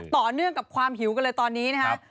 ต่อเนื่องกับความหิวกันเลยตอนนี้นะฮะ